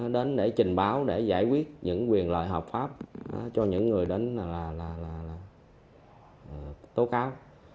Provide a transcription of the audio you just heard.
đến để trình báo để giải quyết những quyền lợi hợp pháp cho những người đến là tố cáo